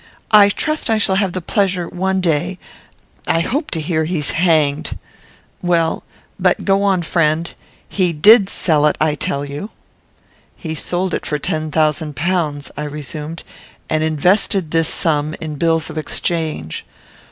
I trust I shall have the pleasure one day I hope to hear he's hanged. Well, but go on, friend. He did sell it, I tell you." "He sold it for ten thousand pounds," I resumed, "and invested this sum in bills of exchange.